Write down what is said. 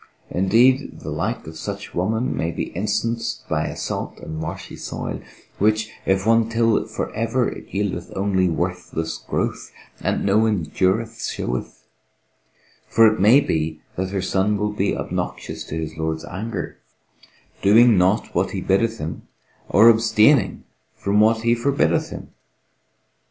Indeed the like of such woman may be instanced by a salt and marshy soil, which if one till for ever it yieldeth only worthless growth and no endurance show eth; for it may be that her son will be obnoxious to his Lord's anger, doing not what He biddeth him or abstaining from what He for biddeth him.